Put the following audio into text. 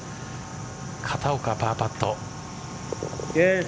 片岡パーパット。